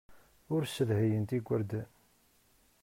Ur ssedhayent igerdan.